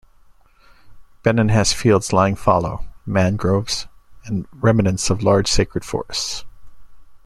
Benin has fields lying fallow, mangroves, and remnants of large sacred forests.